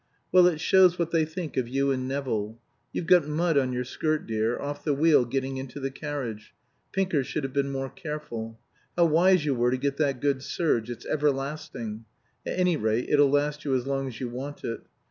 Well, it shows what they think of you and Nevill. You've got mud on your skirt, dear off the wheel getting into the carriage. Pinker should have been more careful. How wise you were to get that good serge. It's everlasting. At any rate it'll last you as long as you want it.